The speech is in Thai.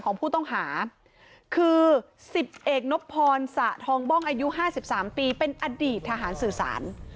คือสิบเอกนบพรสะทองบ้องอายุห้าสิบสามปีเป็นอดีตทหารสื่อสาร